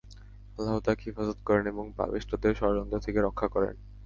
আল্লাহ তাকে হিফাজত করেন ও পাপিষ্ঠদের ষড়যন্ত্র থেকে রক্ষা করেন।